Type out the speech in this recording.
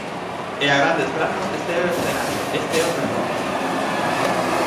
E a grandes trazos este é o escenario, este é o percorrido.